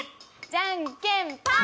じゃんけん、パー！